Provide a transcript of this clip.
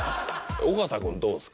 尾形君どうですか？